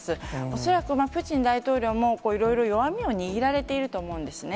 恐らくプーチン大統領も、いろいろ弱みを握られていると思うんですね。